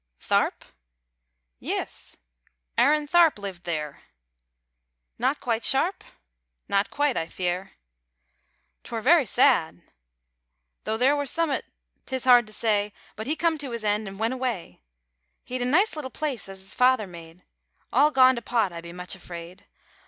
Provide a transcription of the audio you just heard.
Tharp? Yis: Aaron Tharp lived theer! Not quite sharp? Not quite I fear! T'wer very sad! Though theer wor summat 'tis hard to say But he come to his end and went away; He'd a nice little place as his feyther made, All gone to pot, I be much afraid.